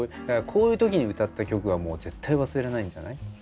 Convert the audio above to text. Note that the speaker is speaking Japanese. こういう時に歌った曲は絶対忘れないんじゃない？